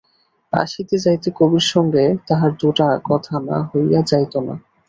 আসিতে যাইতে কবির সঙ্গে তাহার দুটা কথা না হইয়া যাইত না।